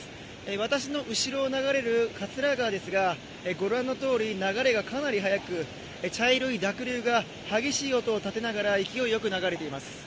私の後ろを流れる桂川ですがご覧のとおり流れがかなり速く茶色い濁流が激しい音を立てながら勢いよく流れています。